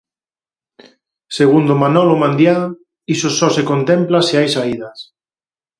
Segundo Manolo Mandiá, iso só se contempla se hai saídas.